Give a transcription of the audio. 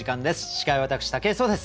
司会は私武井壮です。